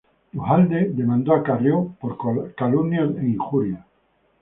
Duhalde demandó a Carrió por calumnias e injurias.